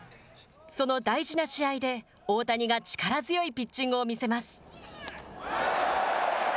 その大事な試合で大谷が力強いピッチングを見せます。